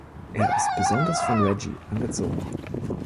Er ist besonders von Reggie angezogen.